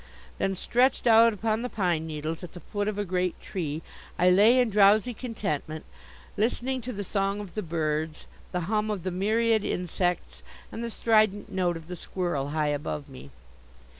Then, stretched out upon the pine needles at the foot of a great tree, I lay in drowsy contentment listening to the song of the birds, the hum of the myriad insects and the strident note of the squirrel high above me.